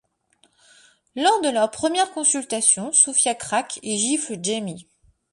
Lors de leur première consultation, Sofia craque et gifle Jamie.